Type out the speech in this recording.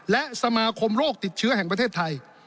และสมาคมโรคติดเชื้อแห่งประเทศไทย